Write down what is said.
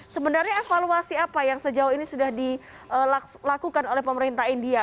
sebenarnya evaluasi apa yang sejauh ini sudah dilakukan oleh pemerintah india